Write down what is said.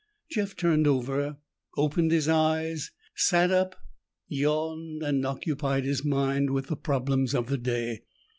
Jeff turned over, opened his eyes, sat up, yawned and occupied his mind with the problems of the day.